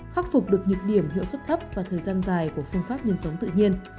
khắc phục được nhịp điểm hiệu suất thấp và thời gian dài của phương pháp nhân sống tự nhiên